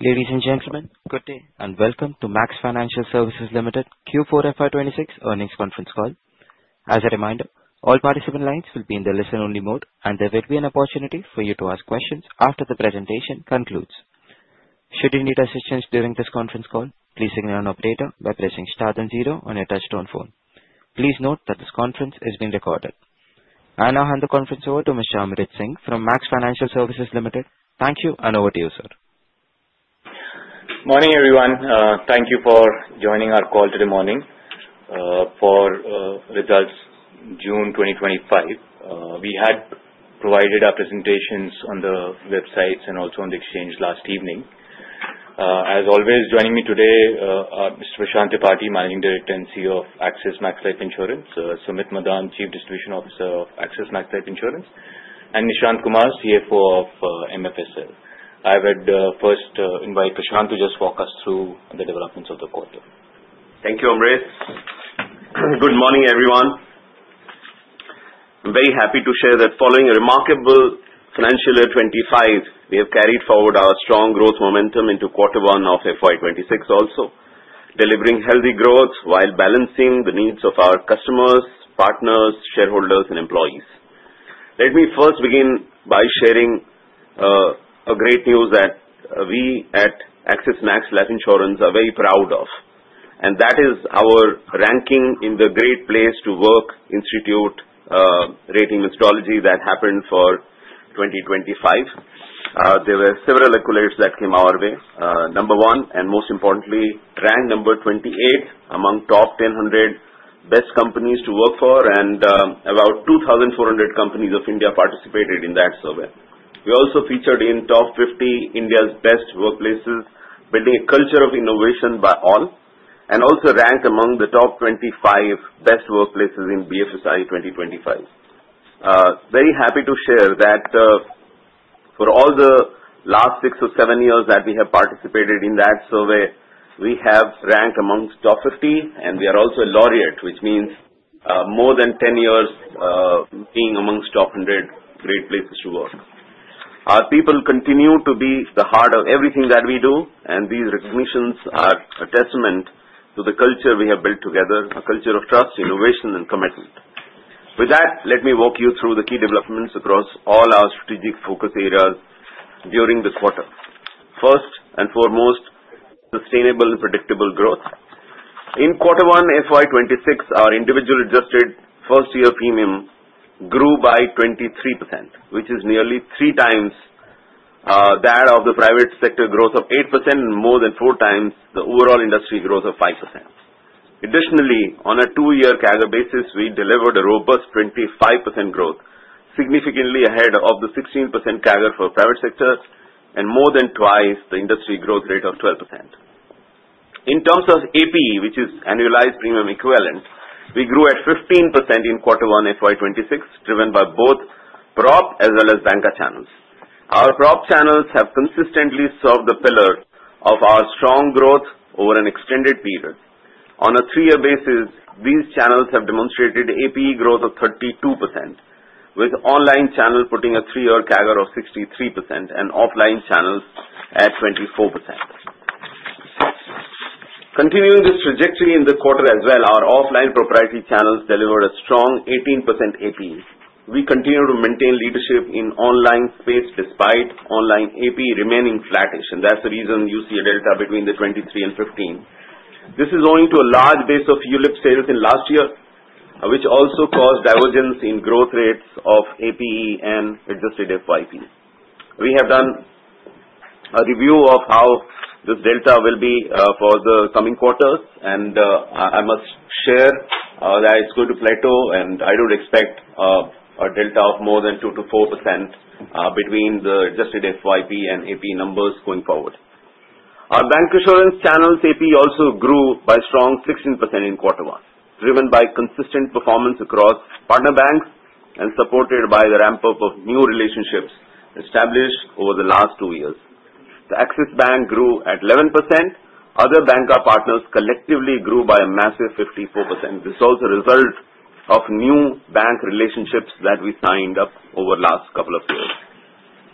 Ladies and gentlemen, good day and welcome to Max Financial Services Limited Q4 FY 2026 earnings conference call. As a reminder, all participant lines will be in the listen-only mode, and there will be an opportunity for you to ask questions after the presentation concludes. Should you need assistance during this conference call, please signal an operator by pressing star then zero on your touch-tone phone. Please note that this conference is being recorded, and I'll hand the conference over to Mr. Amrit Singh from Max Financial Services Limited. Thank you, and over to you, sir. Morning, everyone. Thank you for joining our call today morning for results June 2025. We had provided our presentations on the websites and also on the exchange last evening. As always, joining me today are Mr. Prashant Tripathy, Managing Director and CEO of Axis Max Life Insurance, Sumit Madan, Chief Distribution Officer of Axis Max Life Insurance, and Nishant Kumar, CFO of MFSL. I would first invite Prashant to just walk us through the developments of the quarter. Thank you, Amrit. Good morning, everyone. I'm very happy to share that following a remarkable financial year 2025, we have carried forward our strong growth momentum into quarter one of FY 2026, also delivering healthy growth while balancing the needs of our customers, partners, shareholders, and employees. Let me first begin by sharing great news that we at Axis Max Life Insurance are very proud of, and that is our ranking in the Great Place to Work Institute rating methodology that happened for 2025. There were several accolades that came our way. Number one and most importantly, ranked number 28 among top 1,000 best companies to work for, and about 2,400 companies of India participated in that survey. We also featured in top 50 India's Best Workplaces, building a culture of innovation by all, and also ranked among the top 25 Best Workplaces in BFSI 2025. Very happy to share that for all the last six or seven years that we have participated in that survey, we have ranked among top 50, and we are also a laureate, which means more than 10 years being among top 100 Great Place to Work. Our people continue to be the heart of everything that we do, and these recognitions are a testament to the culture we have built together: a culture of trust, innovation, and commitment. With that, let me walk you through the key developments across all our strategic focus areas during the quarter. First and foremost, sustainable and predictable growth. In quarter one FY 2026, our individual adjusted first-year premium grew by 23%, which is nearly three times that of the private sector growth of 8% and more than four times the overall industry growth of 5%. Additionally, on a two-year CAGR basis, we delivered a robust 25% growth, significantly ahead of the 16% CAGR for private sector and more than twice the industry growth rate of 12%. In terms of APE, which is annualized premium equivalent, we grew at 15% in quarter one FY 2026, driven by both Prop as well as Banca channels. Our Prop channels have consistently served the pillar of our strong growth over an extended period. On a three-year basis, these channels have demonstrated APE growth of 32%, with online channels putting a three-year CAGR of 63% and offline channels at 24%. Continuing this trajectory in the quarter as well, our offline proprietary channels delivered a strong 18% APE. We continue to maintain leadership in online space despite online APE remaining flattish, and that's the reason you see a delta between the 23 and 15. This is owing to a large base of ULIP sales in last year, which also caused divergence in growth rates of APE and adjusted FYP. We have done a review of how this delta will be for the coming quarters, and I must share that it's going to plateau, and I don't expect a delta of more than 2%-4% between the adjusted FYP and APE numbers going forward. Our Bancassurance channels APE also grew by a strong 16% in quarter one, driven by consistent performance across partner banks and supported by the ramp-up of new relationships established over the last two years. The Axis Bank grew at 11%. Other Banca partners collectively grew by a massive 54%. This is also a result of new bank relationships that we signed up over the last couple of years.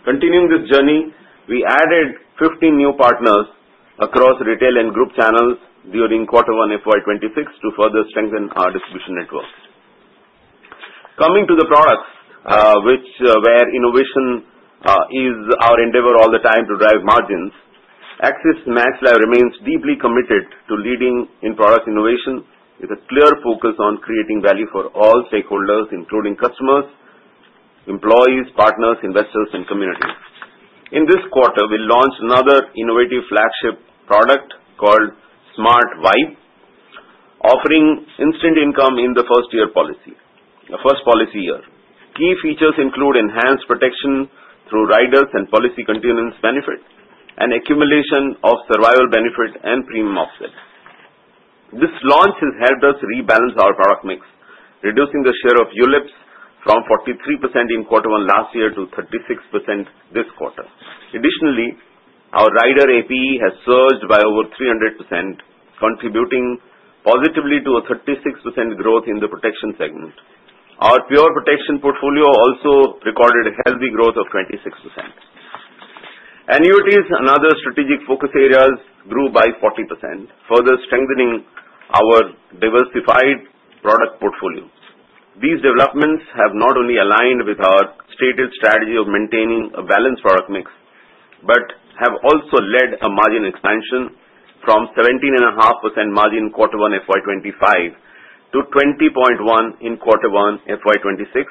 Continuing this journey, we added 15 new partners across retail and group channels during quarter one FY 2026 to further strengthen our distribution network. Coming to the products, where innovation is our endeavor all the time to drive margins, Axis Max Life remains deeply committed to leading in product innovation with a clear focus on creating value for all stakeholders, including customers, employees, partners, investors, and community. In this quarter, we launched another innovative flagship product called Smart Vibe, offering instant income in the first-year policy, the first policy year. Key features include enhanced protection through riders and Policy Continuance Benefit, and accumulation of Survival Benefit and Premium Offset. This launch has helped us rebalance our product mix, reducing the share of ULIPs from 43% in quarter one last year to 36% this quarter. Additionally, our rider APE has surged by over 300%, contributing positively to a 36% growth in the protection segment. Our pure protection portfolio also recorded a healthy growth of 26%. Annuities, another strategic focus area, grew by 40%, further strengthening our diversified product portfolio. These developments have not only aligned with our stated strategy of maintaining a balanced product mix, but have also led a margin expansion from 17.5% margin quarter one FY 2025 to 20.1% in quarter one FY 2026,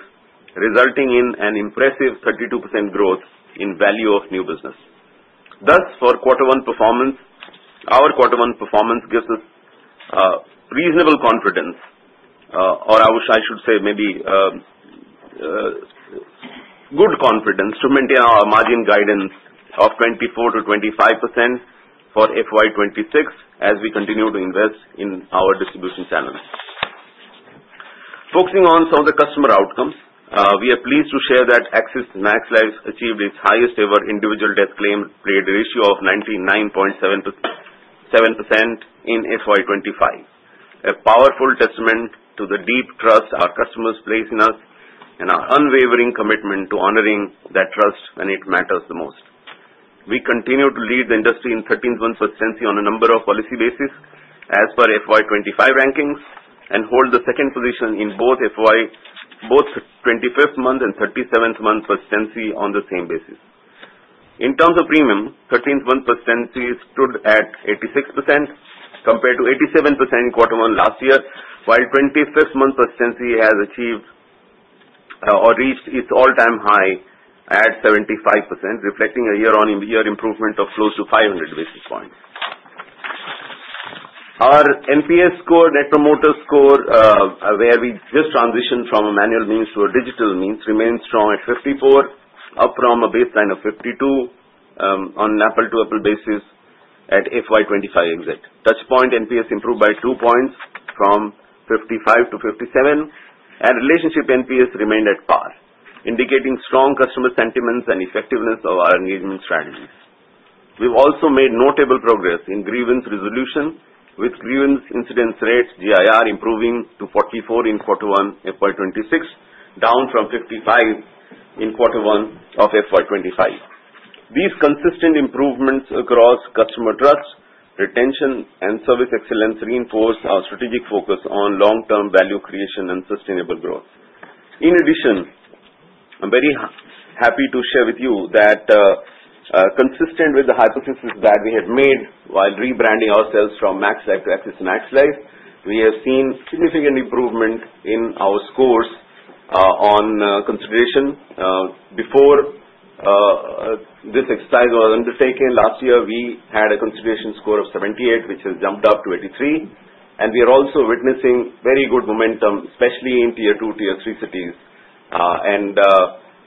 resulting in an impressive 32% growth in value of new business. Thus, for quarter one performance, our quarter one performance gives us reasonable confidence, or I should say maybe good confidence, to maintain our margin guidance of 24%-25% for FY 2026 as we continue to invest in our distribution channels. Focusing on some of the customer outcomes, we are pleased to share that Axis Max Life achieved its highest-ever individual death claim rate ratio of 99.7% in FY 2025, a powerful testament to the deep trust our customers place in us and our unwavering commitment to honoring that trust when it matters the most. We continue to lead the industry in 13th month efficiency on a number of policy basis as per FY 2025 rankings and hold the second position in both 25th month and 37th month efficiency on the same basis. In terms of premium, 13th month efficiency stood at 86% compared to 87% in quarter one last year, while 25th month efficiency has achieved or reached its all-time high at 75%, reflecting a year-on-year improvement of close to 500 basis points. Our NPS score, Net Promoter Score, where we just transitioned from a manual means to a digital means, remains strong at 54, up from a baseline of 52 on an apple-to-apple basis at FY 2025 exit. Touchpoint NPS improved by two points from 55-57, and relationship NPS remained at par, indicating strong customer sentiments and effectiveness of our engagement strategies. We've also made notable progress in grievance resolution, with grievance incidence rate, GIR, improving to 44 in quarter one FY 2026, down from 55 in quarter one of FY 2025. These consistent improvements across customer trust, retention, and service excellence reinforce our strategic focus on long-term value creation and sustainable growth. In addition, I'm very happy to share with you that consistent with the hypothesis that we had made while rebranding ourselves from Max Life to Axis Max Life, we have seen significant improvement in our scores on consideration. Before this exercise was undertaken last year, we had a consideration score of 78, which has jumped up to 83, and we are also witnessing very good momentum, especially in Tier 2, Tier 3 cities, and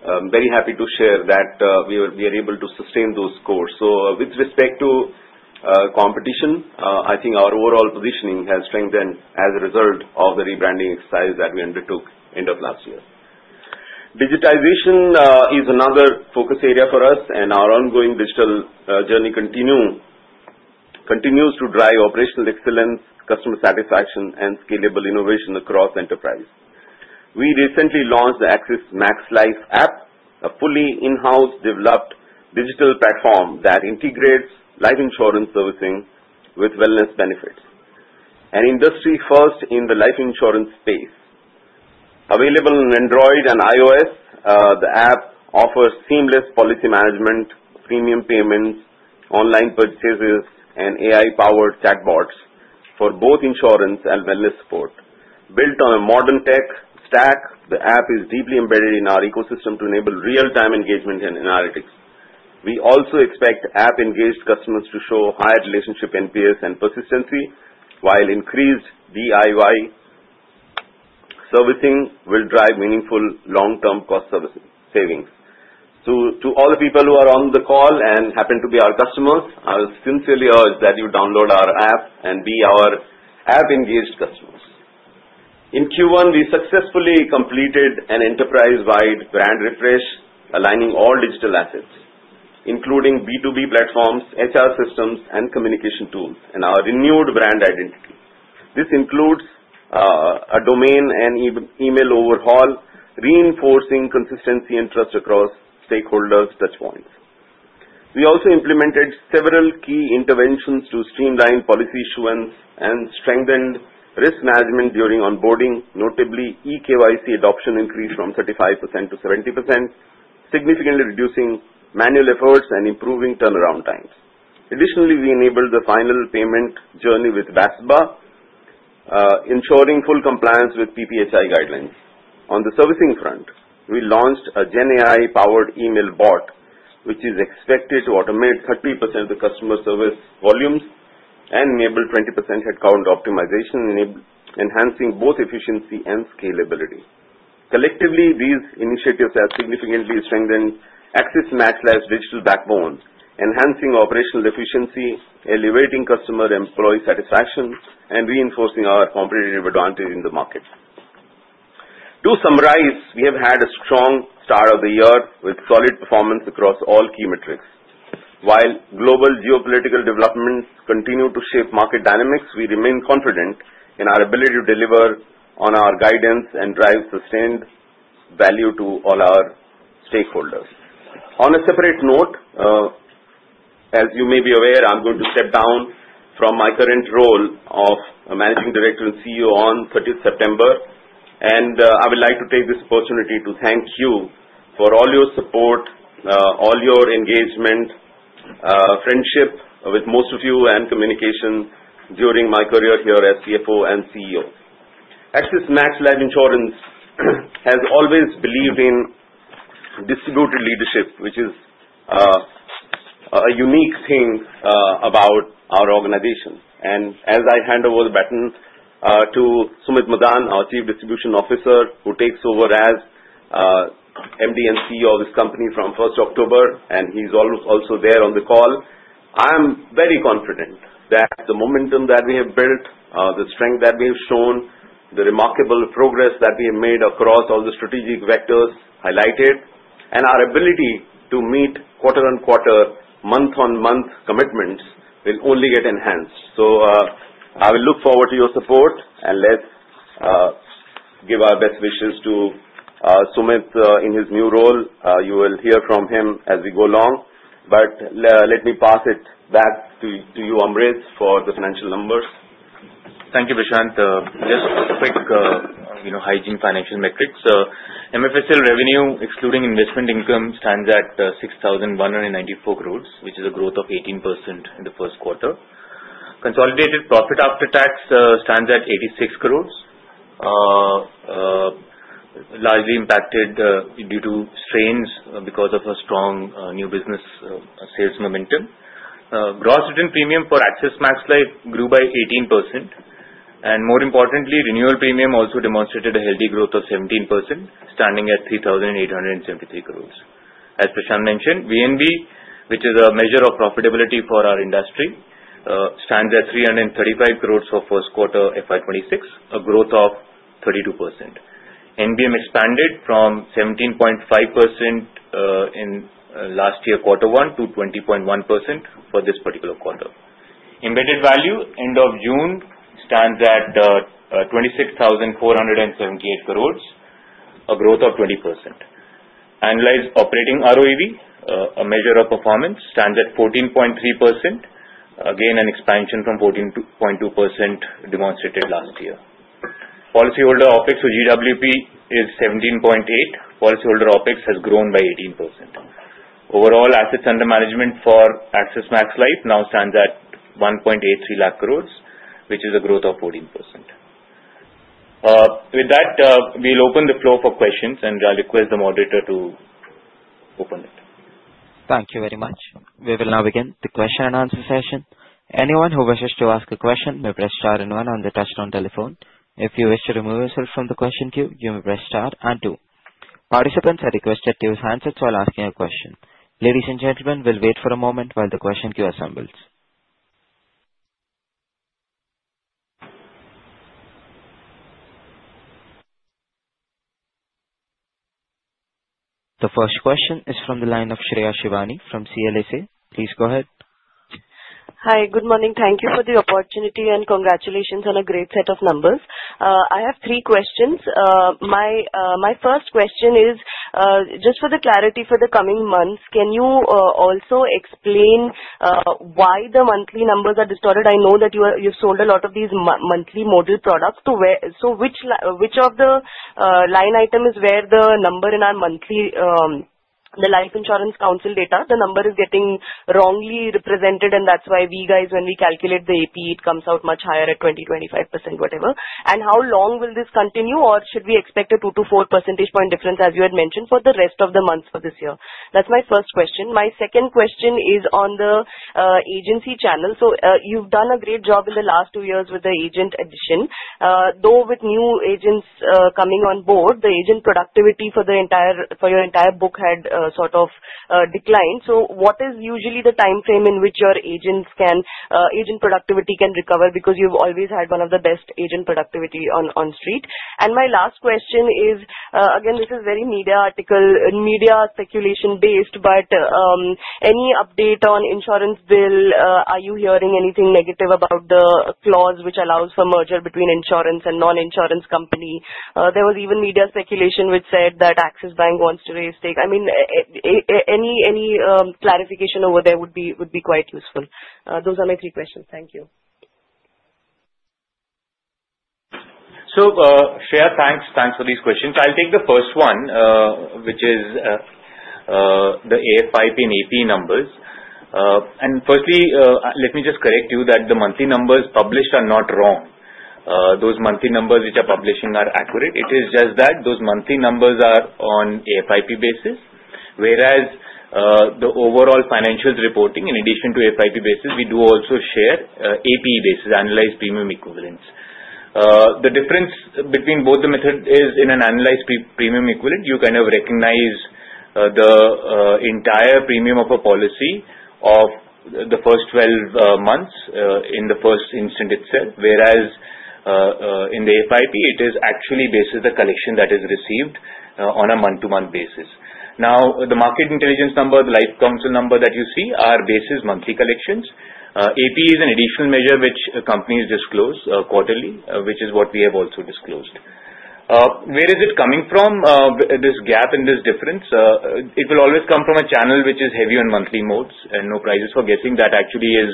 I'm very happy to share that we are able to sustain those scores. With respect to competition, I think our overall positioning has strengthened as a result of the rebranding exercise that we undertook end of last year. Digitization is another focus area for us, and our ongoing digital journey continues to drive operational excellence, customer satisfaction, and scalable innovation across enterprise. We recently launched the Axis Max Life app, a fully in-house developed digital platform that integrates life insurance servicing with wellness benefits. An industry first in the life insurance space. Available on Android and iOS, the app offers seamless policy management, premium payments, online purchases, and AI-powered chatbots for both insurance and wellness support. Built on a modern tech stack, the app is deeply embedded in our ecosystem to enable real-time engagement and analytics. We also expect app-engaged customers to show higher relationship NPS and persistency, while increased DIY servicing will drive meaningful long-term cost savings. So to all the people who are on the call and happen to be our customers, I would sincerely urge that you download our app and be our app-engaged customers. In Q1, we successfully completed an enterprise-wide brand refresh, aligning all digital assets, including B2B platforms, HR systems, and communication tools, and our renewed brand identity. This includes a domain and email overhaul, reinforcing consistency and trust across stakeholders' touchpoints. We also implemented several key interventions to streamline policy issuance and strengthened risk management during onboarding, notably eKYC adoption increased from 35% to 70%, significantly reducing manual efforts and improving turnaround times. Additionally, we enabled the final payment journey with ASBA, ensuring full compliance with PPI guidelines. On the servicing front, we launched a GenAI-powered email bot, which is expected to automate 30% of the customer service volumes and enable 20% headcount optimization, enhancing both efficiency and scalability. Collectively, these initiatives have significantly strengthened Axis Max Life's digital backbone, enhancing operational efficiency, elevating customer-employee satisfaction, and reinforcing our competitive advantage in the market. To summarize, we have had a strong start of the year with solid performance across all key metrics. While global geopolitical developments continue to shape market dynamics, we remain confident in our ability to deliver on our guidance and drive sustained value to all our stakeholders. On a separate note, as you may be aware, I'm going to step down from my current role of Managing Director and CEO on 30th September, and I would like to take this opportunity to thank you for all your support, all your engagement, friendship with most of you, and communication during my career here as CFO and CEO. Axis Max Life Insurance has always believed in distributed leadership, which is a unique thing about our organization. As I hand over the baton to Sumit Madan, our Chief Distribution Officer, who takes over as MD and CEO of this company from 1st October, and he's also there on the call, I am very confident that the momentum that we have built, the strength that we have shown, the remarkable progress that we have made across all the strategic vectors highlighted, and our ability to meet quarter-on-quarter, month-on-month commitments will only get enhanced, so I will look forward to your support, and let's give our best wishes to Sumit in his new role. You will hear from him as we go along, but let me pass it back to you, Amrit, for the financial numbers. Thank you, Prashant. Just quick hygiene financial metrics. MFSL revenue, excluding investment income, stands at 6,194 crores, which is a growth of 18% in the first quarter. Consolidated profit after tax stands at 86 crores, largely impacted due to strains because of a strong new business sales momentum. Gross Written Premium for Axis Max Life grew by 18%. And more importantly, renewal premium also demonstrated a healthy growth of 17%, standing at 3,873 crores. As Prashant mentioned, VNB, which is a measure of profitability for our industry, stands at 335 crores for first quarter FY 2026, a growth of 32%. NBM expanded from 17.5% in last year quarter one to 20.1% for this particular quarter. Embedded value end of June stands at 26,478 crores, a growth of 20%. Annualized operating ROEV, a measure of performance, stands at 14.3%, again an expansion from 14.2% demonstrated last year. Policyholder OPEX to GWP is 17.8%. Policyholder OPEX has grown by 18%. Overall assets under management for Axis Max Life now stands at 1.83 lakh crores, which is a growth of 14%. With that, we'll open the floor for questions, and I'll request the moderator to open it. Thank you very much. We will now begin the question and answer session. Anyone who wishes to ask a question may press star and one on the touch-tone telephone. If you wish to remove yourself from the question queue, you may press star and two. Participants are requested to use handsets while asking a question. Ladies and gentlemen, we'll wait for a moment while the question queue assembles. The first question is from the line of Shreya Shivani from CLSA. Please go ahead. Hi, good morning. Thank you for the opportunity and congratulations on a great set of numbers. I have three questions. My first question is, just for the clarity for the coming months, can you also explain why the monthly numbers are distorted? I know that you've sold a lot of these monthly modal products. So which of the line items is where the number in our monthly, the Life Insurance Council data, the number is getting wrongly represented, and that's why we guys, when we calculate the APE, it comes out much higher at 20%-25%, whatever. And how long will this continue, or should we expect a 2%-4% point difference, as you had mentioned, for the rest of the months for this year? That's my first question. My second question is on the agency channel. So you've done a great job in the last two years with the agent addition. Though with new agents coming on board, the agent productivity for your entire book had sort of declined. So what is usually the time frame in which your agent productivity can recover? Because you've always had one of the best agent productivity on street. And my last question is, again, this is very media article and media speculation based, but any update on insurance bill? Are you hearing anything negative about the clause which allows for merger between insurance and non-insurance company? There was even media speculation which said that Axis Bank wants to raise stake. I mean, any clarification over there would be quite useful. Those are my three questions. Thank you. So Shreya, thanks for these questions. I'll take the first one, which is the AFYP and APE numbers. And firstly, let me just correct you that the monthly numbers published are not wrong. Those monthly numbers which are publishing are accurate. It is just that those monthly numbers are on AFYP basis, whereas the overall financial reporting, in addition to AFYP basis, we do also share APE basis, annualized premium equivalent. The difference between both the method is in the annualized premium equivalent, you kind of recognize the entire premium of a policy of the first 12 months in the first instant itself, whereas in the AFYP, it is actually based on the collection that is received on a month-to-month basis. Now, the market intelligence number, the Life Insurance Council number that you see, are based on monthly collections. APE is an additional measure which companies disclose quarterly, which is what we have also disclosed. Where is it coming from, this gap and this difference? It will always come from a channel which is heavy on monthly modes, and no prizes for guessing. That actually is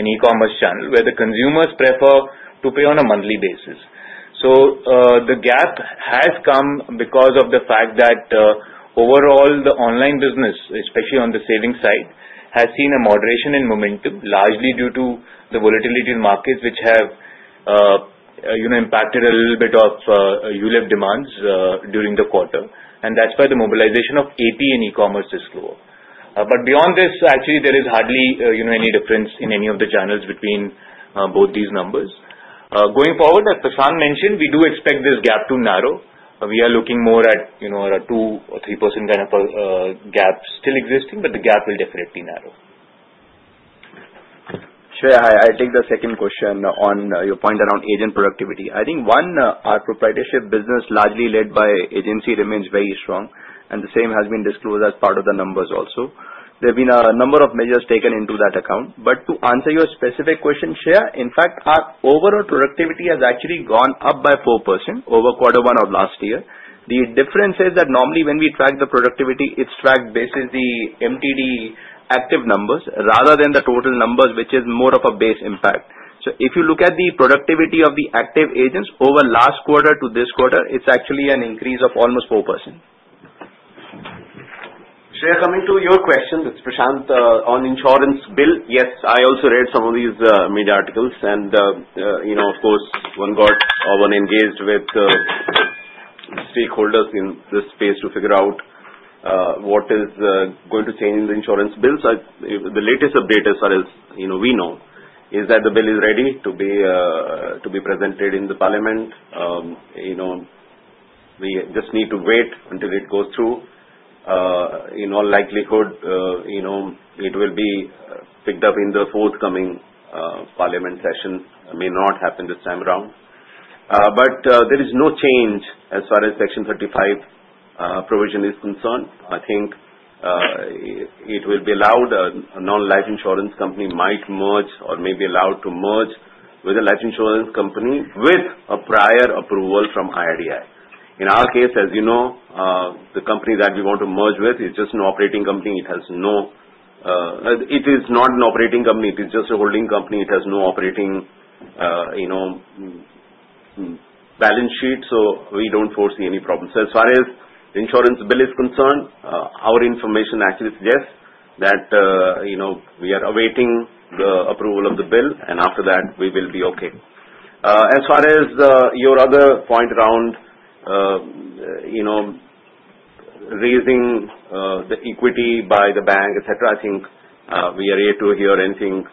an e-commerce channel where the consumers prefer to pay on a monthly basis. So the gap has come because of the fact that overall the online business, especially on the savings side, has seen a moderation in momentum, largely due to the volatility in markets which have impacted a little bit of ULIP demands during the quarter. And that's why the mobilization of APE and e-commerce is slower. But beyond this, actually, there is hardly any difference in any of the channels between both these numbers. Going forward, as Prashant mentioned, we do expect this gap to narrow. We are looking more at a 2% or 3% kind of gap still existing, but the gap will definitely narrow. Shreya, I take the second question on your point around agent productivity. I think one, our proprietorship business, largely led by agency, remains very strong, and the same has been disclosed as part of the numbers also. There have been a number of measures taken into that account. But to answer your specific question, Shreya, in fact, our overall productivity has actually gone up by 4% over quarter one of last year. The difference is that normally when we track the productivity, it's tracked basically MTD active numbers rather than the total numbers, which is more of a base impact. So if you look at the productivity of the active agents over last quarter to this quarter, it's actually an increase of almost 4%. Shreya, coming to your question, Prashant, on insurance bill, yes, I also read some of these media articles. Of course, whenever we engage with stakeholders in this space to figure out what is going to change in the insurance bills, the latest update as far as we know is that the bill is ready to be presented in the Parliament. We just need to wait until it goes through. In all likelihood, it will be picked up in the forthcoming Parliament session. It may not happen this time around. There is no change as far as Section 35 provision is concerned. I think it will be allowed. A non-life insurance company might merge or may be allowed to merge with a life insurance company with a prior approval from IRDAI. In our case, as you know, the company that we want to merge with is just an operating company. It is not an operating company. It is just a holding company. It has no operating balance sheet, so we don't foresee any problems. So as far as the insurance bill is concerned, our information actually suggests that we are awaiting the approval of the bill, and after that, we will be okay. As far as your other point around raising the equity by the bank, etc., I think we are here to hear anything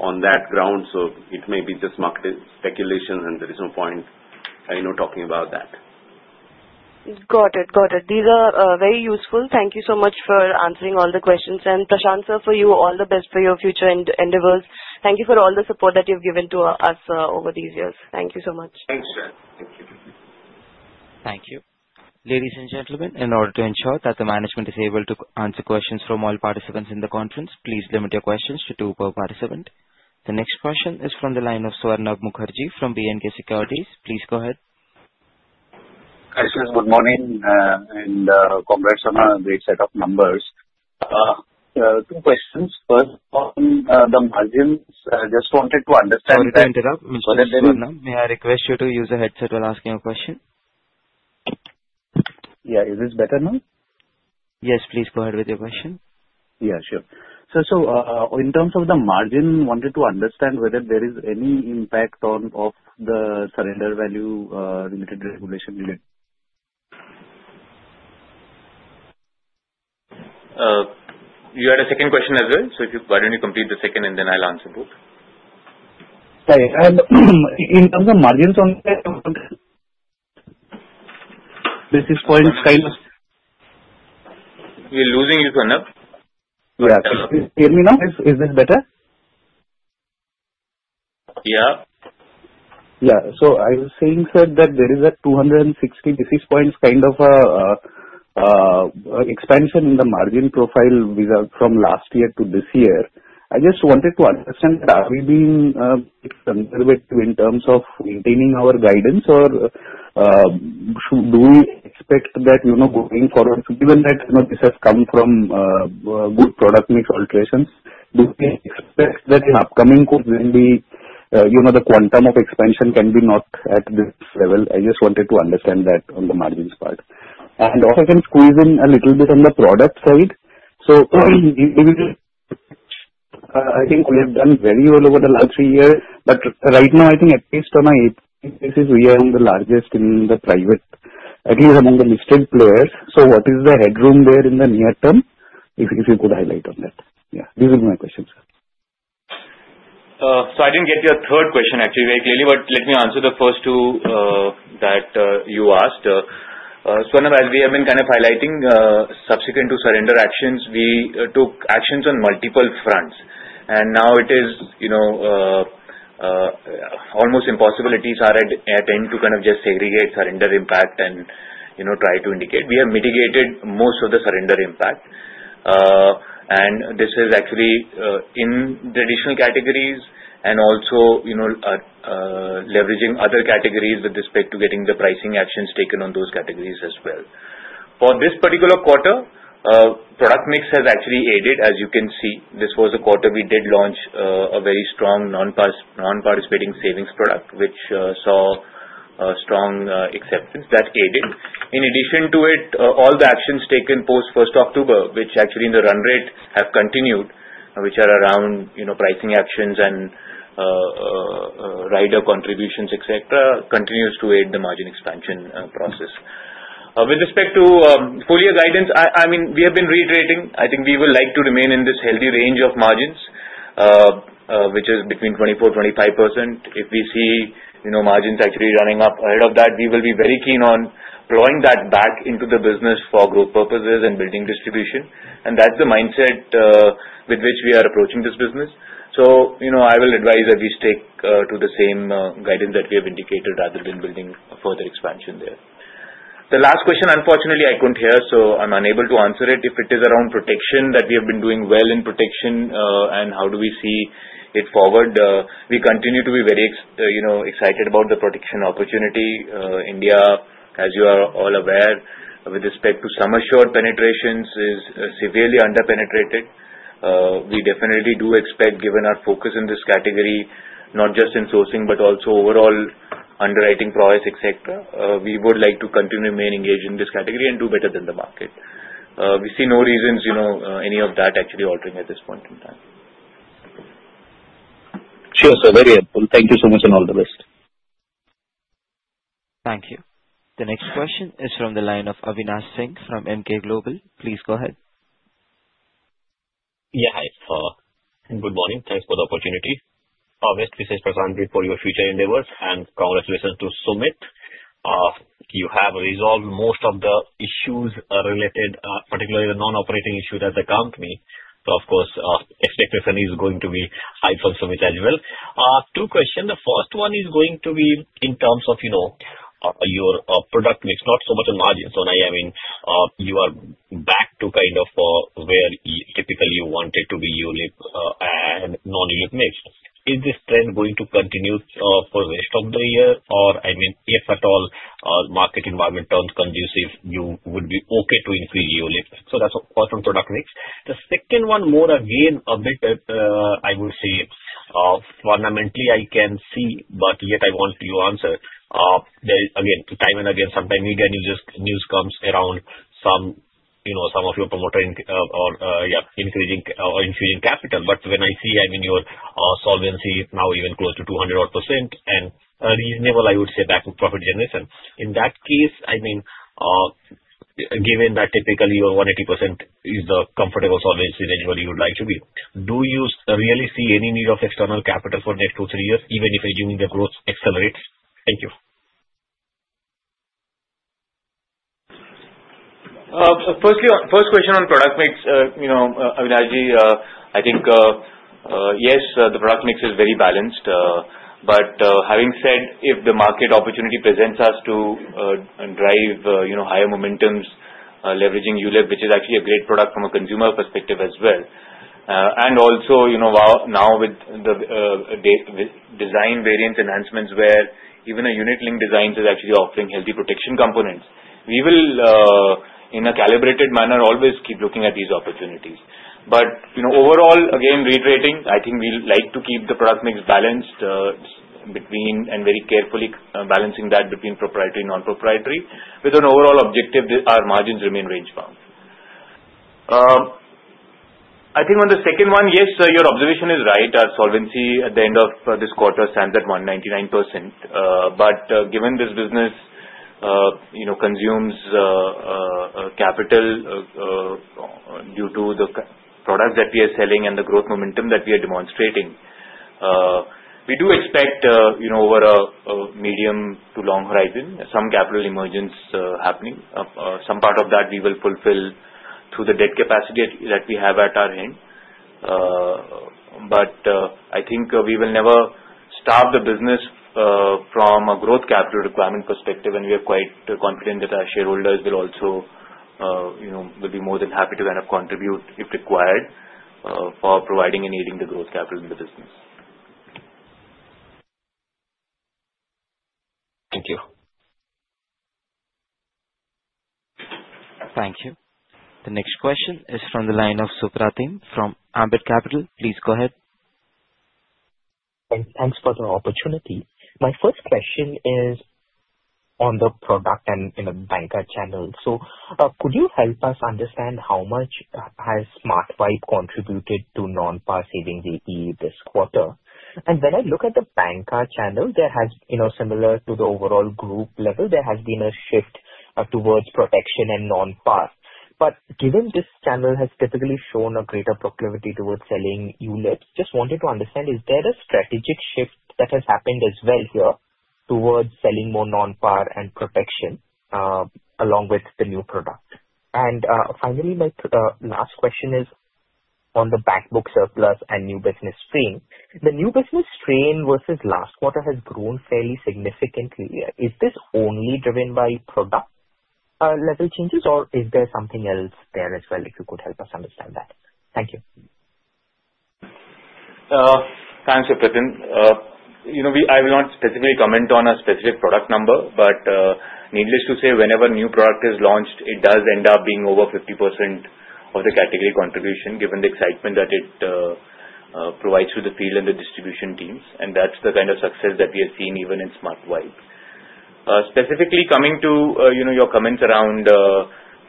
on that ground. So it may be just market speculation, and there is no point talking about that. Got it. Got it. These are very useful. Thank you so much for answering all the questions, and Prashant sir, for you, all the best for your future endeavors. Thank you for all the support that you've given to us over these years. Thank you so much. Thanks, Shreya. Thank you. Thank you. Ladies and gentlemen, in order to ensure that the management is able to answer questions from all participants in the conference, please limit your questions to two per participant. The next question is from the line of Swarnabh Mukherjee from B&K Securities. Please go ahead. Hi, Sir. Good morning. And congrats on a great set of numbers. Two questions. First, on the margins, I just wanted to understand. Sorry to interrupt. Mr. Swarnabh Mukherjee, may I request you to use a headset while asking a question? Yeah. Is this better now? Yes, please go ahead with your question. Yeah, sure. So in terms of the margin, wanted to understand whether there is any impact on the surrender value-related regulation? You had a second question as well. So why don't you complete the second, and then I'll answer both? Sorry. In terms of margins on the. This is for kind of. We're losing you, Swarnabh? Yeah. Can you hear me now? Is this better? Yeah. Yeah. So I was saying that there is a 260 basis points kind of expansion in the margin profile from last year to this year. I just wanted to understand, are we being a little bit in terms of maintaining our guidance, or do we expect that going forward, given that this has come from good product mix alterations, do we expect that in upcoming quarters, the quantum of expansion can be not at this level? I just wanted to understand that on the margins part. And also, I can squeeze in a little bit on the product side. So I think we have done very well over the last three years. But right now, I think at least on our APE basis, we are one of the largest in the private, at least among the listed players. So what is the headroom there in the near term? If you could highlight on that. Yeah. These are my questions, sir. So I didn't get your third question, actually, very clearly, but let me answer the first two that you asked. Swarnabh Mukherjee, as we have been kind of highlighting, subsequent to surrender actions, we took actions on multiple fronts. And now it is almost impossible at this point to kind of just segregate surrender impact and try to indicate. We have mitigated most of the surrender impact. And this is actually in traditional categories and also leveraging other categories with respect to getting the pricing actions taken on those categories as well. For this particular quarter, product mix has actually aided, as you can see. This was a quarter we did launch a very strong non-participating savings product, which saw strong acceptance that aided. In addition to it, all the actions taken post 1st October, which actually in the run rate have continued, which are around pricing actions and rider contributions, etc., continues to aid the margin expansion process. With respect to full year's guidance, I mean, we have been reiterating, I think we would like to remain in this healthy range of margins, which is between 24%-25%. If we see margins actually running up ahead of that, we will be very keen on plowing that back into the business for growth purposes and building distribution, and that's the mindset with which we are approaching this business. So I will advise that we stick to the same guidance that we have indicated rather than building further expansion there. The last question, unfortunately, I couldn't hear, so I'm unable to answer it. If it is around protection, that we have been doing well in protection and how do we see it forward. We continue to be very excited about the protection opportunity. India, as you are all aware, with respect to insurance penetrations, is severely underpenetrated. We definitely do expect, given our focus in this category, not just in sourcing, but also overall underwriting price, etc., we would like to continue to remain engaged in this category and do better than the market. We see no reasons any of that actually altering at this point in time. Sure. So very helpful. Thank you so much and all the best. Thank you. The next question is from the line of Avinash Singh from Emkay Global. Please go ahead. Yeah. Hi, Sir. Good morning. Thanks for the opportunity. Our best wishes, Prashant, for your future endeavors. And congratulations to Sumit. You have resolved most of the issues related, particularly the non-operating issues at the company. So of course, expectation is going to be high from Sumit as well. Two questions. The first one is going to be in terms of your product mix, not so much margins. So now, I mean, you are back to kind of where typically you wanted to be ULIP and non-ULIP mix. Is this trend going to continue for the rest of the year? Or, I mean, if at all, market environment turns conducive, you would be okay to increase ULIP? So that's the first on product mix. The second one, more again, a bit, I would say, fundamentally, I can see, but yet I want you to answer. Again, time and again, sometimes media news comes around some of your promoter or, yeah, increasing capital. But when I see, I mean, your solvency now even close to 200% and a reasonable, I would say, back to profit generation. In that case, I mean, given that typically your 180% is the comfortable solvency range where you would like to be, do you really see any need of external capital for the next two to three years, even if assuming the growth accelerates? Thank you. First question on product mix, Avinashji, I think, yes, the product mix is very balanced. But having said, if the market opportunity presents us to drive higher momentums, leveraging ULIP, which is actually a great product from a consumer perspective as well. Also, now with the design variance enhancements where even a unit-linked design is actually offering healthy protection components, we will, in a calibrated manner, always keep looking at these opportunities. Overall, again, reiterating, I think we'd like to keep the product mix balanced and very carefully balancing that between proprietary and non-proprietary with an overall objective that our margins remain range-bound. I think on the second one, yes, your observation is right. Our solvency at the end of this quarter stands at 199%. Given this business consumes capital due to the products that we are selling and the growth momentum that we are demonstrating, we do expect over a medium to long horizon, some capital emergence happening. Some part of that we will fulfill through the debt capacity that we have at our end. But I think we will never stop the business from a growth capital requirement perspective, and we are quite confident that our shareholders will also be more than happy to kind of contribute if required for providing and aiding the growth capital in the business. Thank you. Thank you. The next question is from the line of Supratim from Ambit Capital. Please go ahead. Thanks for the opportunity. My first question is on the product and Banca channel. So could you help us understand how much has Smart Vibe contributed to non-PAR savings APE this quarter? And when I look at the Banca channel, similar to the overall group level, there has been a shift towards protection and non-PAR. But given this channel has typically shown a greater proclivity towards selling ULIP, just wanted to understand, is there a strategic shift that has happened as well here towards selling more non-PAR and protection along with the new product? And finally, my last question is on the backbook surplus and new business strain. The new business strain versus last quarter has grown fairly significantly. Is this only driven by product level changes, or is there something else there as well if you could help us understand that? Thank you. Thanks, Pratim. I will not specifically comment on a specific product number, but needless to say, whenever new product is launched, it does end up being over 50% of the category contribution given the excitement that it provides to the field and the distribution teams. And that's the kind of success that we have seen even in Smart Vibe. Specifically, coming to your comments around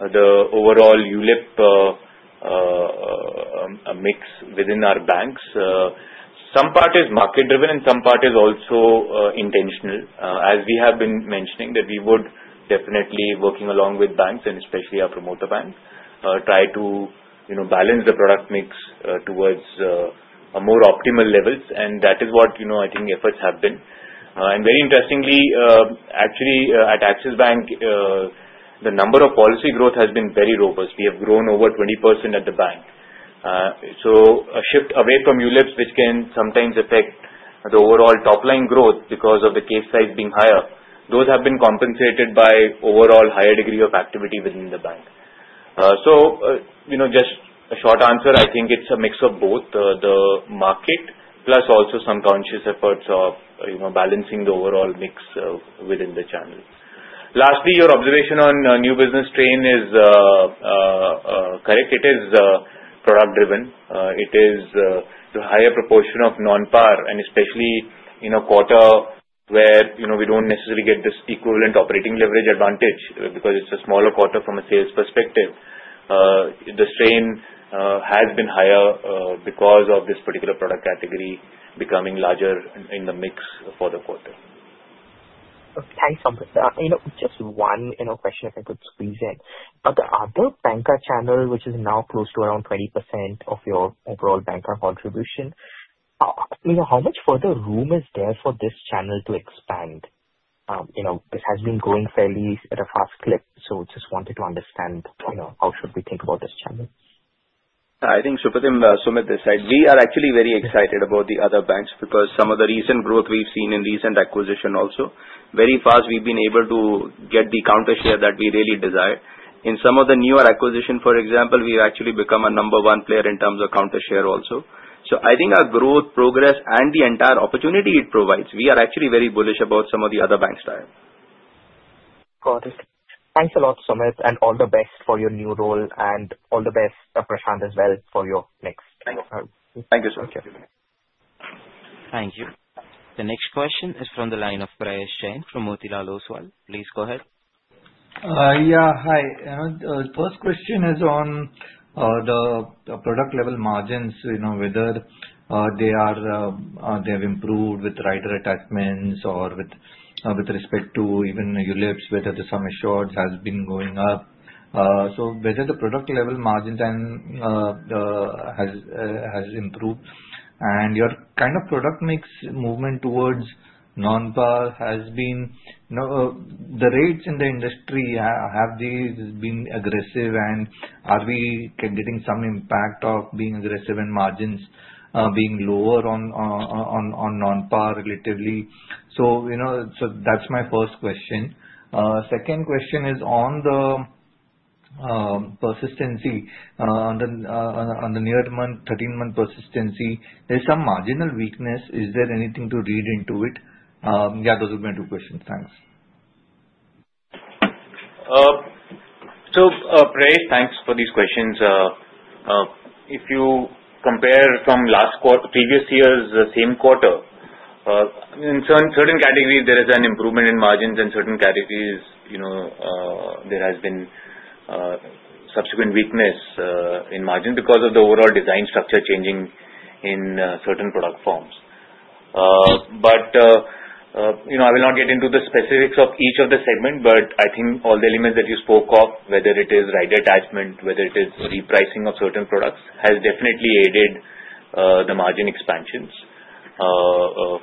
the overall ULIP mix within our banks, some part is market-driven and some part is also intentional. As we have been mentioning, that we would definitely, working along with banks and especially our promoter bank, try to balance the product mix towards a more optimal level, and that is what I think efforts have been. And very interestingly, actually, at Axis Bank, the number of policy growth has been very robust. We have grown over 20% at the bank. So a shift away from ULIPs, which can sometimes affect the overall top-line growth because of the case size being higher, those have been compensated by overall higher degree of activity within the bank. So just a short answer, I think it's a mix of both the market plus also some conscious efforts of balancing the overall mix within the channel. Lastly, your observation on new business strain is correct. It is product-driven. It is the higher proportion of non-PAR, and especially in a quarter where we don't necessarily get this equivalent operating leverage advantage because it's a smaller quarter from a sales perspective. The strain has been higher because of this particular product category becoming larger in the mix for the quarter. Thanks, Amrit. Just one question if I could squeeze in. The other Banca channel, which is now close to around 20% of your overall Banca contribution, how much further room is there for this channel to expand? It has been growing fairly at a fast clip. So just wanted to understand how should we think about this channel? I think Supratim Sumit this side. We are actually very excited about the other banks because some of the recent growth we've seen in recent acquisition also. Very fast, we've been able to get the bancassurance share that we really desire. In some of the newer acquisition, for example, we've actually become a number one player in terms of bancassurance share also. So I think our growth progress and the entire opportunity it provides, we are actually very bullish about some of the other banks' side. Got it. Thanks a lot, Sumit. And all the best for your new role. And all the best, Prashant, as well for your next quarter. Thank you. Thank you, sir. Thank you. Thank you. The next question is from the line of Prayesh Jain from Motilal Oswal. Please go ahead. Yeah. Hi. The first question is on the product-level margins, whether they have improved with rider attachments or with respect to even ULIPs, whether the sum assured has been going up. So whether the product-level margin has improved and your kind of product mix movement towards non-PAR has been the rates in the industry, have these been aggressive? And are we getting some impact of being aggressive and margins being lower on non-PAR relatively? So that's my first question. Second question is on the persistency. On the near-month, 13-month persistency, is some marginal weakness? Is there anything to read into it? Yeah, those would be my two questions. Thanks. So Prayesh, thanks for these questions. If you compare from previous years, the same quarter, in certain categories, there is an improvement in margins. In certain categories, there has been subsequent weakness in margins because of the overall design structure changing in certain product forms. but I will not get into the specifics of each of the segments, but I think all the elements that you spoke of, whether it is rider attachment, whether it is repricing of certain products, has definitely aided the margin expansions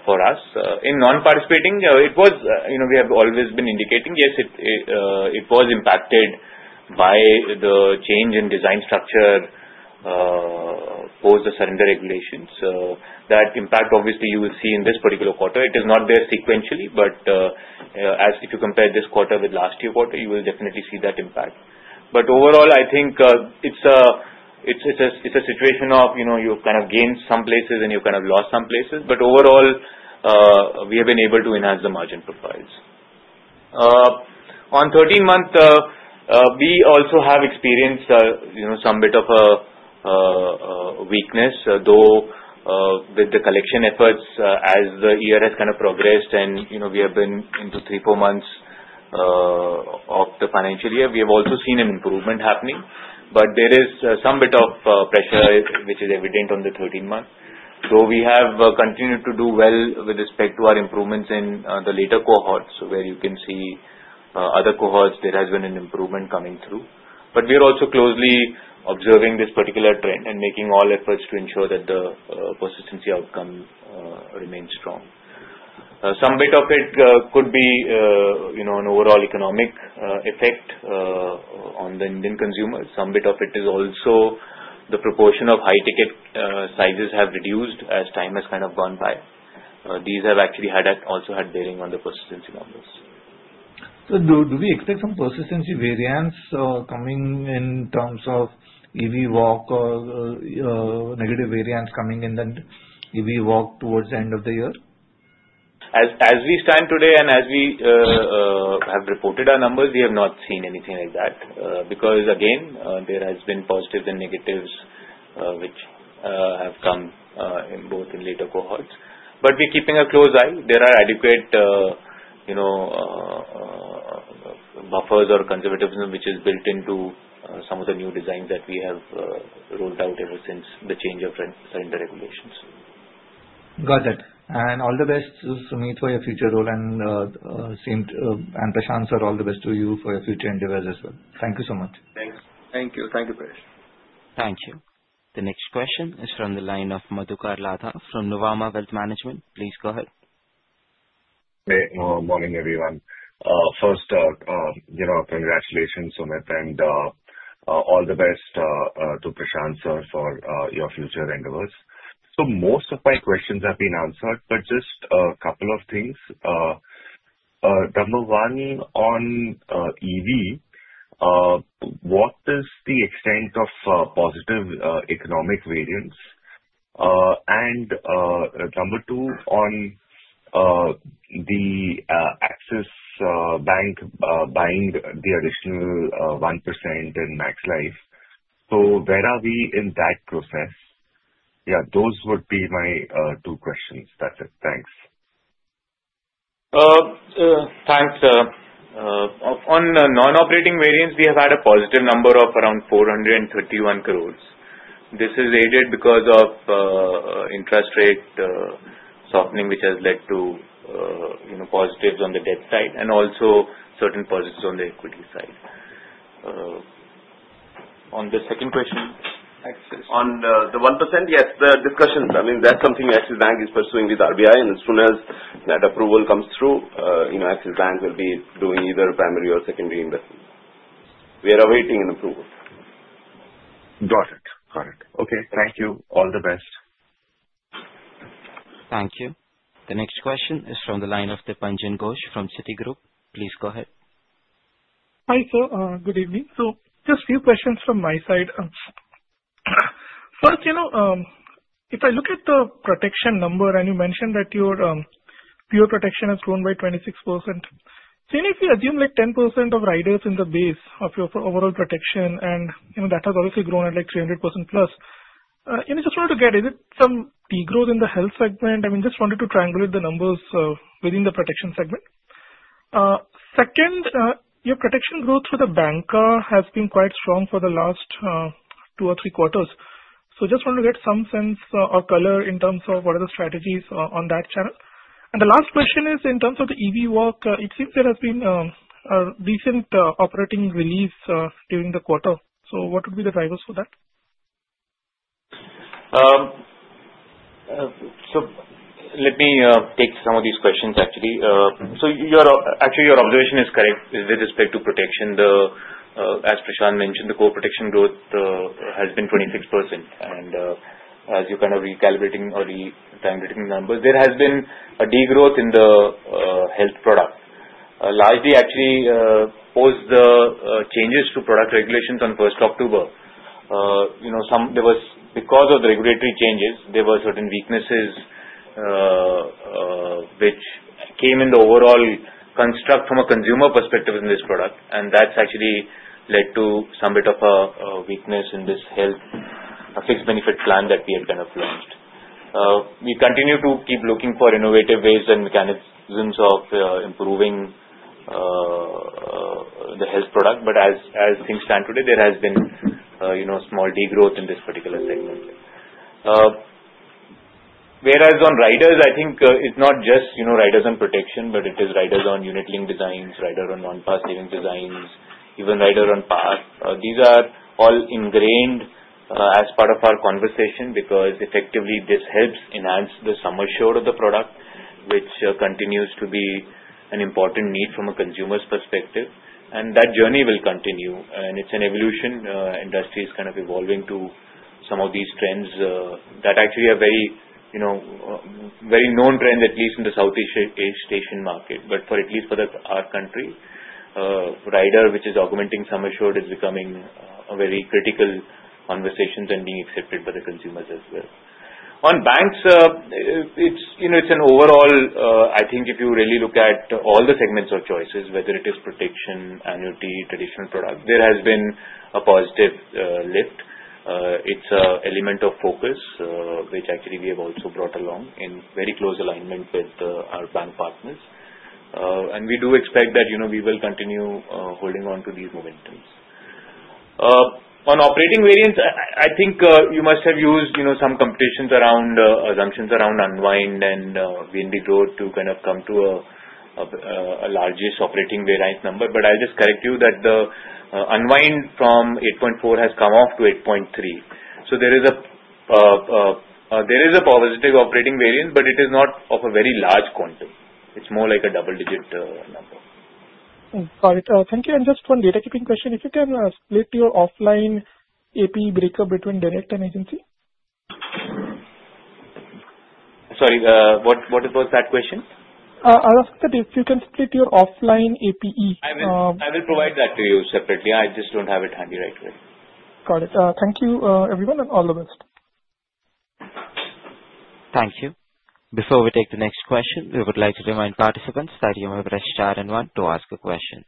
for us. In non-participating, it was. We have always been indicating, yes, it was impacted by the change in design structure post the surrender regulations. That impact, obviously, you will see in this particular quarter. It is not there sequentially, but if you compare this quarter with last year's quarter, you will definitely see that impact. but overall, I think it's a situation of you've kind of gained some places and you've kind of lost some places. but overall, we have been able to enhance the margin profiles. On 13-month, we also have experienced some bit of a weakness, though with the collection efforts as the year has kind of progressed and we have been into three, four months of the financial year, we have also seen an improvement happening. But there is some bit of pressure, which is evident on the 13-month. Though we have continued to do well with respect to our improvements in the later cohorts, where you can see other cohorts, there has been an improvement coming through. But we are also closely observing this particular trend and making all efforts to ensure that the persistency outcome remains strong. Some bit of it could be an overall economic effect on the Indian consumers. Some bit of it is also the proportion of high-ticket sizes have reduced as time has kind of gone by. These have actually also had bearing on the persistency numbers. So do we expect some persistency variance coming in terms of EV walk or negative variance coming in the EV walk towards the end of the year? As we stand today and as we have reported our numbers, we have not seen anything like that. Because again, there has been positives and negatives which have come both in later cohorts. But we're keeping a close eye. There are adequate buffers or conservatism which is built into some of the new designs that we have rolled out ever since the change of surrender regulations. Got it. And all the best, Sumit, for your future role. And Prashant sir, all the best to you for your future endeavors as well. Thank you so much. Thank you. Thank you, Prayesh. Thank you. The next question is from the line of Madhukar Ladha from Nuvama Wealth Management. Please go ahead. Morning, everyone. First, congratulations, Sumit, and all the best to Prashant sir for your future endeavors. So most of my questions have been answered, but just a couple of things. Number one, on EV, what is the extent of positive economic variance? And number two, on the Axis Bank buying the additional 1% in Max Life, so where are we in that process? Yeah, those would be my two questions. That's it. Thanks. Thanks, sir. On non-operating variance, we have had a positive number of around 431 crores. This is aided because of interest rate softening, which has led to positives on the debt side and also certain positives on the equity side. On the second question, Axis? On the 1%, yes, the discussions. I mean, that's something Axis Bank is pursuing with RBI. And as soon as that approval comes through, Axis Bank will be doing either primary or secondary investments. We are awaiting an approval. Got it. Got it. Okay. Thank you. All the best. Thank you. The next question is from the line of Dipanjan Ghosh from Citigroup. Please go ahead. Hi sir. Good evening. So just a few questions from my side. First, if I look at the protection number, and you mentioned that your pure protection has grown by 26%. So if you assume 10% of riders in the base of your overall protection, and that has obviously grown at 300% plus, just wanted to get, is it some degrowth in the health segment? I mean, just wanted to triangulate the numbers within the protection segment. Second, your protection growth for the bancassurance has been quite strong for the last two or three quarters. So just wanted to get some sense or color in terms of what are the strategies on that channel. The last question is in terms of the EV walk. It seems there has been a recent operating release during the quarter. What would be the drivers for that? Let me take some of these questions, actually. Actually, your observation is correct with respect to protection. As Prashant mentioned, the core protection growth has been 26%. As you're kind of recalibrating or retriangulating the numbers, there has been a degrowth in the health product. Largely, actually, post the changes to product regulations on 1st October, because of the regulatory changes, there were certain weaknesses which came in the overall construct from a consumer perspective in this product. That's actually led to some bit of a weakness in this health fixed benefit plan that we had kind of launched. We continue to keep looking for innovative ways and mechanisms of improving the health product. As things stand today, there has been small degrowth in this particular segment. Whereas on riders, I think it's not just riders on protection, but it is riders on unit-linked designs, riders on non-PAR savings designs, even riders on PAR. These are all ingrained as part of our conversation because effectively this helps enhance the sum assured of the product, which continues to be an important need from a consumer's perspective. That journey will continue. It's an evolution. Industry is kind of evolving to some of these trends that actually are very known trends, at least in the Southeast Asian market. At least for our country, rider, which is augmenting sum assured, is becoming a very critical conversation and being accepted by the consumers as well. On banks, it's an overall. I think if you really look at all the segments of choices, whether it is protection, annuity, traditional product, there has been a positive lift. It's an element of focus, which actually we have also brought along in very close alignment with our bank partners. We do expect that we will continue holding on to these momentums. On operating variance, I think you must have used some computations around assumptions around unwind and VNB growth to kind of come to a large operating variance number. But I'll just correct you that the unwind from 8.4% has come off to 8.3%. So there is a positive operating variance, but it is not of a very large quantum. It's more like a double-digit number. Got it. Thank you. Just one housekeeping question. If you can split your offline APE break-up between direct and agency? Sorry. What was that question? I asked that if you can split your offline APE. I will provide that to you separately. I just don't have it handy right away. Got it. Thank you, everyone, and all the best. Thank you. Before we take the next question, we would like to remind participants that you have a fresh chat and want to ask a question.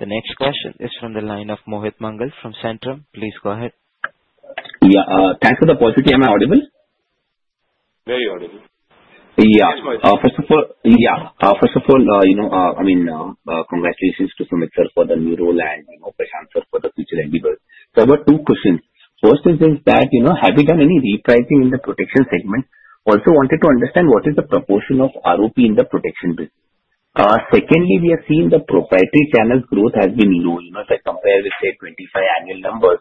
The next question is from the line of Mohit Mangal from Centrum. Please go ahead. Yeah. Thanks for the positivity. Am I audible? Very audible. Yeah. First of all, yeah. First of all, I mean, congratulations to Sumit sir for the new role and Prashant sir for the future endeavors. So I've got two questions. First is that, have you done any repricing in the protection segment? Also wanted to understand what is the proportion of ROP in the protection business. Secondly, we have seen the proprietary channel's growth has been low if I compare with, say, 25% annual numbers.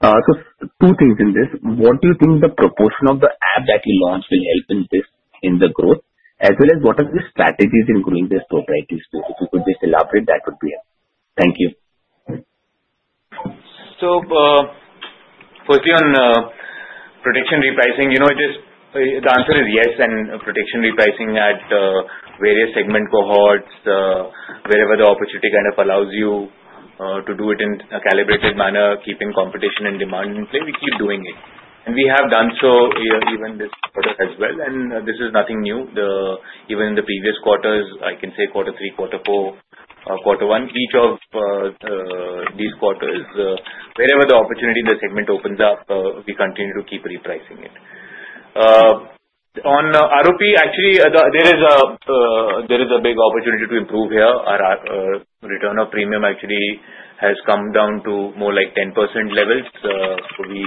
So two things in this. What do you think the proportion of the app that you launched will help in this in the growth? As well as what are the strategies in growing this proprietary space? If you could just elaborate, that would be helpful. Thank you. So firstly, on protection repricing, the answer is yes. And protection repricing at various segment cohorts, wherever the opportunity kind of allows you to do it in a calibrated manner, keeping competition and demand in play, we keep doing it. And we have done so even this quarter as well. And this is nothing new. Even in the previous quarters, I can say quarter three, quarter four, quarter one, each of these quarters, wherever the opportunity, the segment opens up, we continue to keep repricing it. On ROP, actually, there is a big opportunity to improve here. Our return of premium actually has come down to more like 10% levels. So we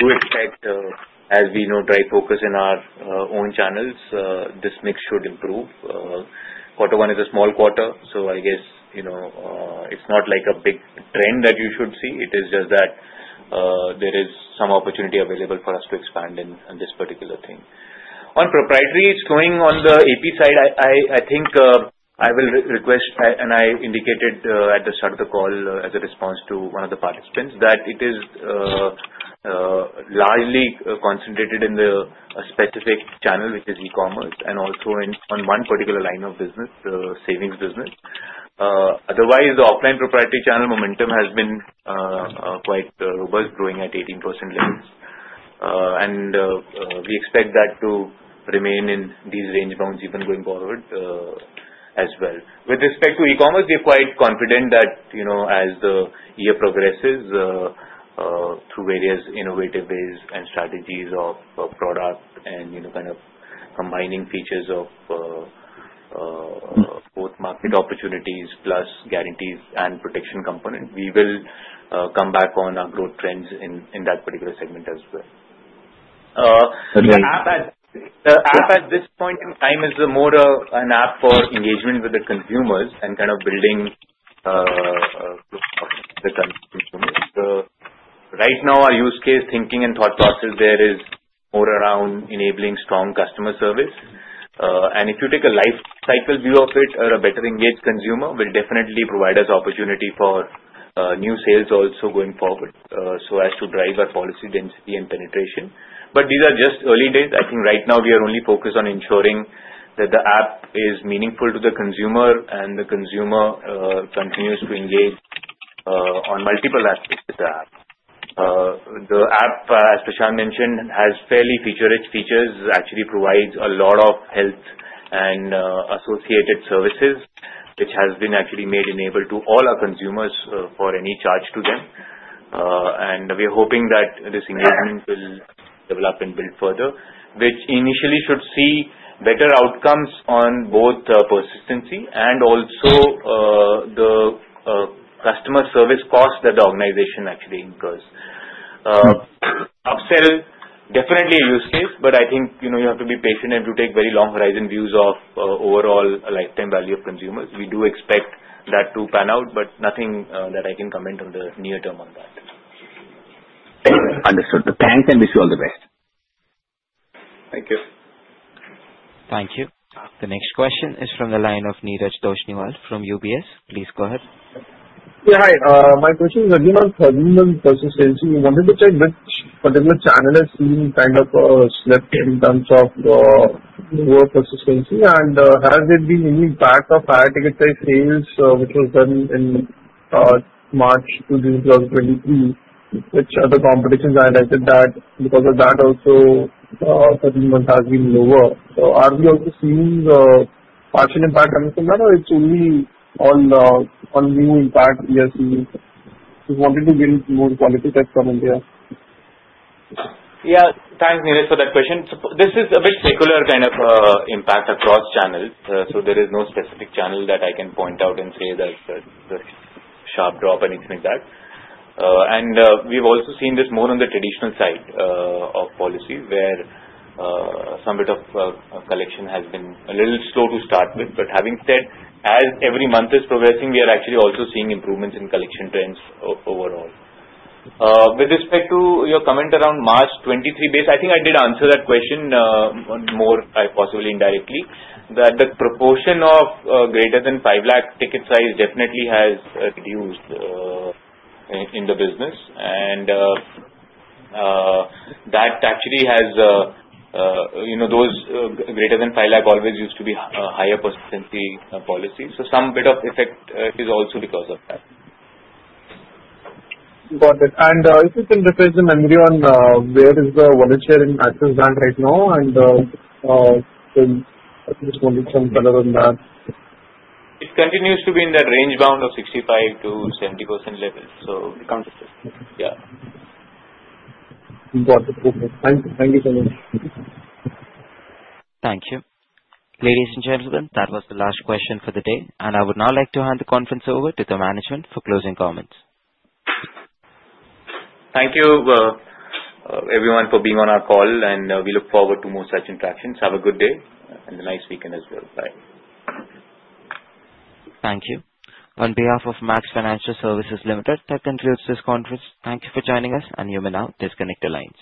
do expect, as we know, to try to focus in our own channels. This mix should improve. Quarter one is a small quarter, so I guess it's not like a big trend that you should see. It is just that there is some opportunity available for us to expand in this particular thing. On proprietary, it's going on the APE side. I think I will request, and I indicated at the start of the call as a response to one of the participants, that it is largely concentrated in the specific channel, which is e-commerce, and also on one particular line of business, the savings business. Otherwise, the offline proprietary channel momentum has been quite robust, growing at 18% levels, and we expect that to remain in these range bounds even going forward as well. With respect to e-commerce, we are quite confident that as the year progresses through various innovative ways and strategies of product and kind of combining features of both market opportunities plus guarantees and protection component, we will come back on our growth trends in that particular segment as well. The app at this point in time is more an app for engagement with the consumers and kind of building the consumers. Right now, our use case thinking and thought process there is more around enabling strong customer service. And if you take a life cycle view of it, a better engaged consumer will definitely provide us opportunity for new sales also going forward so as to drive our policy density and penetration. But these are just early days. I think right now we are only focused on ensuring that the app is meaningful to the consumer and the consumer continues to engage on multiple aspects of the app. The app, as Prashant mentioned, has fairly feature-rich features, actually provides a lot of health and associated services, which has been actually made enabled to all our consumers for any charge to them. And we are hoping that this engagement will develop and build further, which initially should see better outcomes on both persistency and also the customer service cost that the organization actually incurs. Upsell definitely a use case, but I think you have to be patient and to take very long horizon views of overall lifetime value of consumers. We do expect that to pan out, but nothing that I can comment on the near term on that. Understood. Thanks, and wish you all the best. Thank you. Thank you. The next question is from the line of Neeraj Toshniwal from UBS. Please go ahead. Yeah, hi. My question is regarding on persistency. We wanted to check which particular channel has seen kind of a slip in terms of lower persistency. And has there been any impact of higher ticket sales which was done in March 2023, which other competitors highlighted that because of that also persistency has been lower? So are we also seeing a partial impact on this? Or it's only all new impact we are seeing? We wanted to build more quality tech from India. Yeah. Thanks, Neeraj, for that question. This is a bit secular kind of impact across channels. So there is no specific channel that I can point out and say there's a sharp drop or anything like that. And we've also seen this more on the traditional side of policy where some bit of collection has been a little slow to start with. But having said, as every month is progressing, we are actually also seeing improvements in collection trends overall. With respect to your comment around March 2023 base, I think I did answer that question more possibly indirectly, that the proportion of greater than 5 lakh ticket size definitely has reduced in the business. And that actually has those greater than 5 lakh always used to be higher persistency policy. So some bit of effect is also because of that. Got it. And if you can refresh the memory on where is the counter share in Axis Bank right now? And I just wanted some color on that. It continues to be in that range-bound of 65%-70% levels. So it becomes a system. Yeah. Got it. Thank you so much. Thank you. Ladies and gentlemen, that was the last question for the day, and I would now like to hand the conference over to the management for closing comments. Thank you, everyone, for being on our call. We look forward to more such interactions. Have a good day and a nice weekend as well. Bye. Thank you. On behalf of Max Financial Services Limited, that concludes this conference. Thank you for joining us, and you may now disconnect the line.